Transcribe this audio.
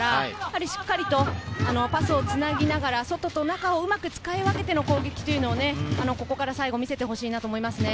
しっかりパスをつなぎながら、外と中をうまく使い分けての攻撃をここから最後見せてほしいと思います。